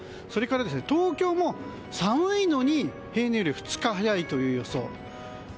それから、東京も寒いのに平年より２日早いという予想。